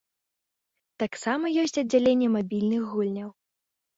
Таксама ёсць аддзяленне мабільных гульняў.